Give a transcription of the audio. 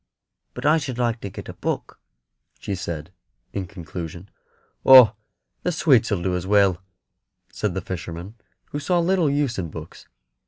But I should like to get a book," she said, in conclusion. "Oh, the sweets 'll do as well," said the fisherman, who saw little use in books.